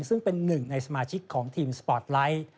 ซึ่งเป็นหนึ่งในสมาชิกของทีมสปอร์ตไลท์